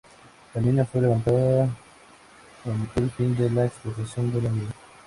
La línea fue levantada con el fin de la explotación de la mina.